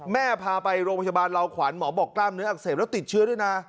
พาไปโรงพยาบาลลาวขวัญหมอบอกกล้ามเนื้ออักเสบแล้วติดเชื้อด้วยนะ